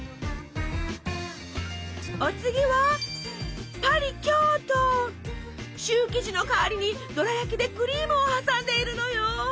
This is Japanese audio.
お次はシュー生地の代わりにどら焼きでクリームを挟んでいるのよ。